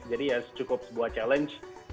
jadi ya cukup sebuah challenge